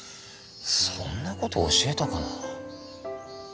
そんなこと教えたかな。